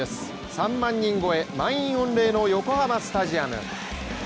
３万人超え、満員御礼の横浜スタジアム。